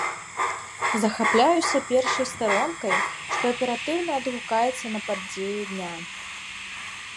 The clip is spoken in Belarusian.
Захапляюся першай старонкай, што аператыўна адгукаецца на падзеі дня.